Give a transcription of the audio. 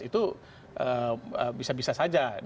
itu bisa bisa saja